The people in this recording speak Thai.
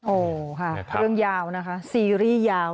โอ้โหค่ะเรื่องยาวนะคะซีรีส์ยาว